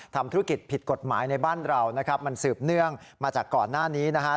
ทำธุรกิจผิดกฎหมายในบ้านเรานะครับมันสืบเนื่องมาจากก่อนหน้านี้นะฮะ